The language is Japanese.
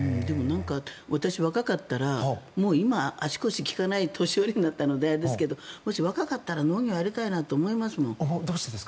私若かったら今、足腰利かない年寄りになったのであれですがもし若かったら農業やりたいなと思いますよ。